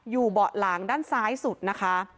เบาะหลังด้านซ้ายสุดนะคะ